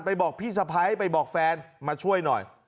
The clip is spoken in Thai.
บอกพี่สะพ้ายไปบอกแฟนมาช่วยหน่อย